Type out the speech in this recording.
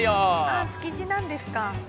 あっ築地なんですか。